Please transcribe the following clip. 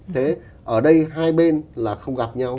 thế ở đây hai bên là không gặp nhau